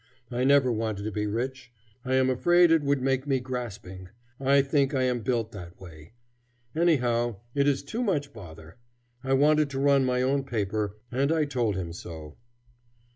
I never wanted to be rich. I am afraid it would make me grasping; I think I am built that way. Anyhow, it is too much bother. I wanted to run my own paper, and I told him so.